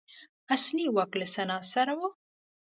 اصلي واک له سنا سره و